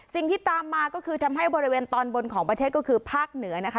สิ่งที่ตามมาก็คือทำให้บริเวณตอนบนของประเทศก็คือภาคเหนือนะคะ